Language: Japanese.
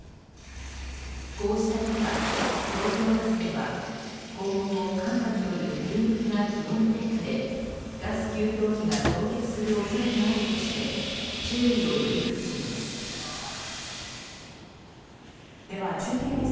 こうした中、東京ガスでは今後も寒波による急激な気温低下でガス給湯器が凍結する恐れがあるとして注意を呼びかけています。